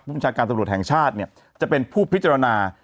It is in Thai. ประชาการตำรวจแห่งชาติเนี่ยจะเป็นผู้พิจารณา